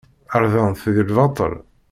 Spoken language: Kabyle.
Rdan-t di lbaṭel.